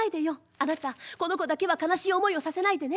あなたこの子だけは悲しい思いをさせないでね。